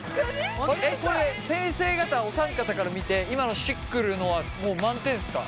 これ先生方お三方から見て今のしっくるのはもう満点ですか？